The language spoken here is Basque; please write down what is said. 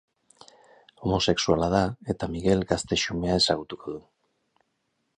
Homosexuala da eta Miguel gazte xumea ezagutuko du.